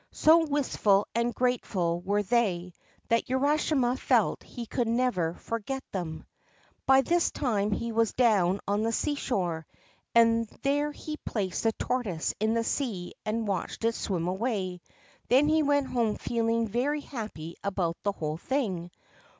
So wistful and grateful were they, that Urashima felt he could never forget them. By this time he was down on the seashore, and there he placed the tortoise in the sea and watched it swim away. Then he went home feeling very happy about the whole thing.